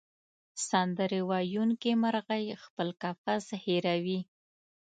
سندرې ویونکې مرغۍ خپل قفس هېروي.